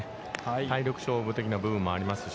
体力勝負的な部分もありますし。